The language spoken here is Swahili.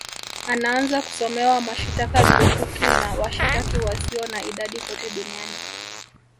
anaanza kusomewa mashitaka lukuki na washitaki wasio na idadi kote Duniani